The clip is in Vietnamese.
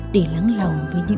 để lắng lòng với những bình yên